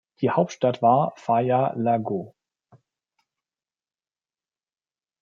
Ihre Hauptstadt war Faya-Largeau.